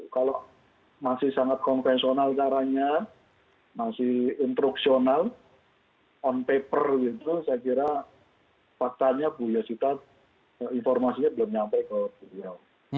kalau masih sangat konvensional caranya masih instruksional on paper gitu saya kira faktanya bu yosita informasinya belum nyampe ke beliau